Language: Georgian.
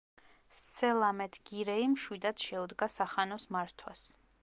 სელამეთ გირეი მშვიდად შეუდგა სახანოს მართვას.